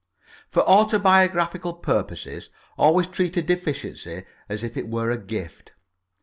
For autobiographical purposes always treat a deficiency as if it were a gift.